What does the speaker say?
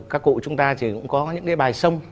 các cụ chúng ta thì cũng có những cái bài sông